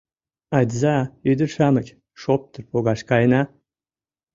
Айдыза, ӱдыр-шамыч, шоптыр погаш каена!